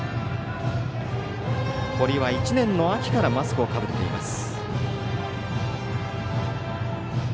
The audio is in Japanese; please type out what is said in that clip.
堀は１年の秋からマスクをかぶっています。